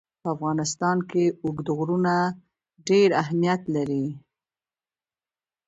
په افغانستان کې اوږده غرونه ډېر اهمیت لري.